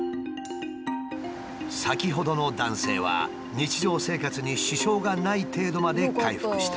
先ほどの男性は日常生活に支障がない程度まで回復した。